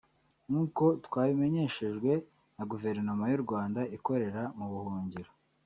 nk’uko twabimenyeshejwe na Guverinoma y’u Rwanda ikorera mu buhungiro